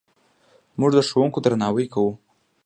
موږ د ښوونکو درناوی کوو.